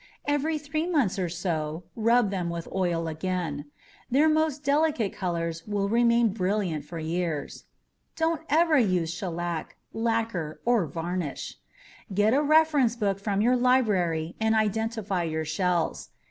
Every three months or so, rub them with oil again their most delicate colors will remain brilliant for years. Don't ever use shellac, lacquer or varnish. Get a reference book from your library and identify your shells.